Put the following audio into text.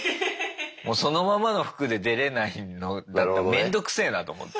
もうそのままの服で出れないのだと面倒くせえなと思って。